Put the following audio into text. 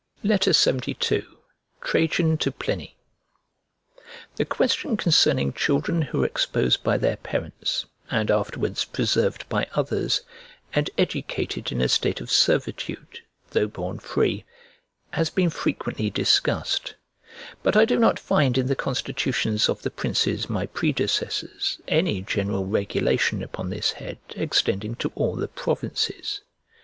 LXXII TRAJAN TO PLINY THE question concerning children who were exposed by their parents, and afterwards preserved by others, and educated in a state of servitude, though born free, has been frequently discussed; but I do not find in the constitutions of the princes my predecessors any general regulation upon this head, extending to all the provinces.